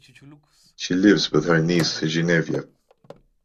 She lives with her niece Geneviève.